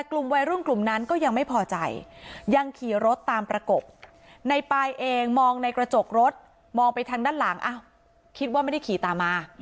กลางคิดว่าไม่ได้ขี่ตามมา